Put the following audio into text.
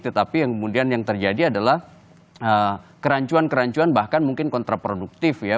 tetapi yang kemudian yang terjadi adalah kerancuan kerancuan bahkan mungkin kontraproduktif ya